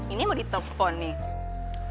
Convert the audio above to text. ini mau di telfon nih